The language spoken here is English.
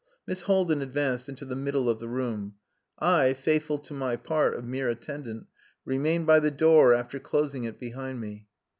Miss Haldin advanced into the middle of the room; I, faithful to my part of mere attendant, remained by the door after closing it behind me.